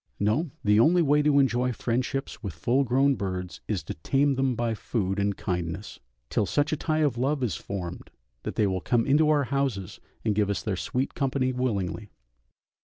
No, the only way to enjoy friendships with full grown birds is to tame them by food and kindness, till such a tie of love is formed that they will come into our houses and give us their sweet company willingly.